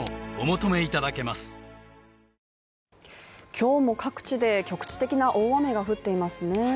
今日も各地で局地的な大雨が降っていますね